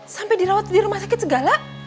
sampai dirawat di rumah sakit segala